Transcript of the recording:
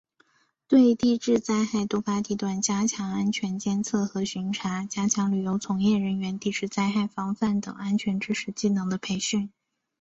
对地质灾害多发地段加强安全监测和巡查；加强旅游从业人员地质灾害防范等安全知识技能的培训